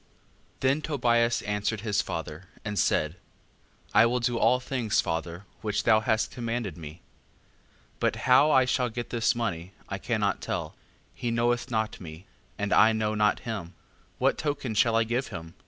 5:1. Then Tobias answered his father, and said: I will do all things, father, which thou hast commanded me. 5:2. But how I shall get this money, I cannot tell; he knoweth not me, and I know not him: what token shall I give him?